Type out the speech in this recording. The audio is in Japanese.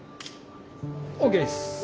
・ＯＫです。